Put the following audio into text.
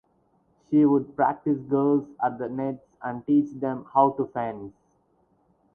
She would practice girls at the nets and teach them how to fence.